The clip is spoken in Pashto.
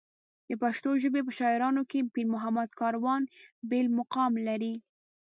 د پښتو ژبې په شاعرانو کې پېرمحمد کاروان بېل مقام لري.